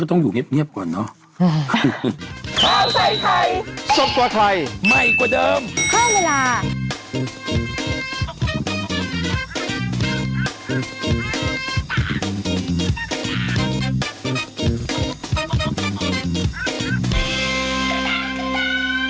ฉันก็ต้องอยู่เงียบก่อนเนอะ